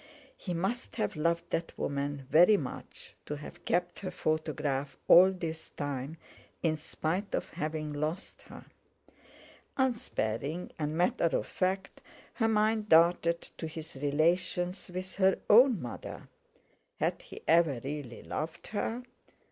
He must have loved that woman very much to have kept her photograph all this time, in spite of having lost her. Unsparing and matter of fact, her mind darted to his relations with her own mother. Had he ever really loved her?